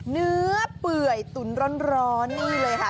เนื้อเปื่อยตุ๋นร้อนนี่เลยค่ะ